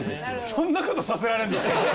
そんな事させられるの？